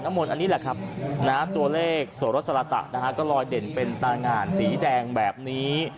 หน้ามนต์อันนี้แหละครับตัวเลขโสระสรรตะก็รอยเด่นเป็นตานงานสีแดงแบบนี้